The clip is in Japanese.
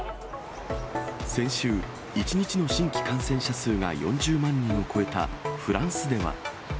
先週、１日の新規感染者数が４０万人を超えたフランスでは。